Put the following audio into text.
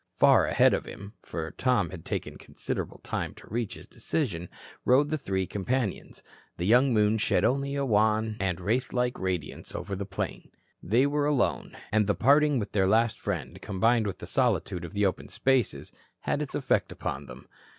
Far ahead of him, for Tom had taken considerable time to reach his decision, rode the three companions. The young moon shed only a wan and wraithlike radiance over the plain. They were alone, and the parting with their last friend, combined with the solitude of the open spaces, had its effect upon them.